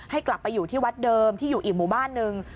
กลับไปอยู่ที่วัดเดิมที่อยู่อีกหมู่บ้านหนึ่ง